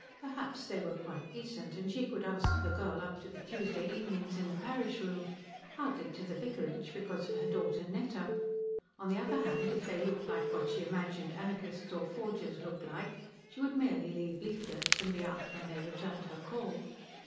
Perhaps they were quite decent, and she could ask the girl up to the Tuesday evenings in the parish room; hardly to the vicarage, because of her daughter Netta. On the other hand, if they looked like what she imagined anarchists or forgers look like, she would merely leave leaflets and be out when they returned her call.